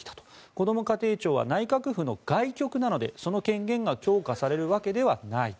こども家庭庁は内閣府の外局なのでその権限が強化されるわけではない。